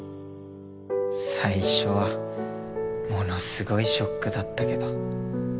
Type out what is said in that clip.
最初はものすごいショックだったけど。